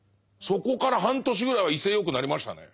そこから半年ぐらいは威勢よくなりましたね。